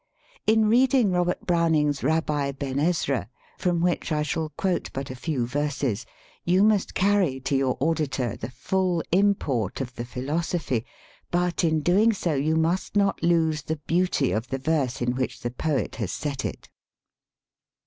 In reading Robert Browning's "Rabbi Ben Ezra" (from which I shall quote but a few verses) you must carry to your auditor the full import of the philoso phy, but in doing so you must not lose the beauty of the verse in which the poet has set it.